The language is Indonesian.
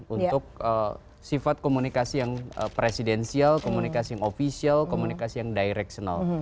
untuk sifat komunikasi yang presidensial komunikasi yang official komunikasi yang directional